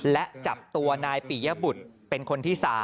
และจับตัวนายปิยบุตรเป็นคนที่๓